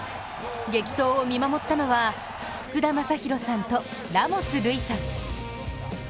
激闘を見守ったのは福田正博さんとラモス瑠偉さん。